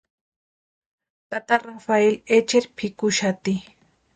Tata Rafeli echeri pʼikuxati.